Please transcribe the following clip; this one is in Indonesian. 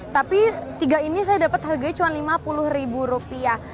tapi tiga ini saya dapat harganya cuma lima puluh ribu rupiah